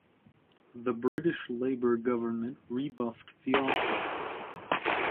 The British Labour government rebuffed the offer.